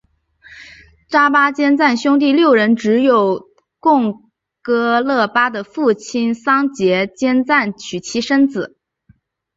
扎巴坚赞兄弟六人只有贡噶勒巴的父亲桑结坚赞娶妻生子。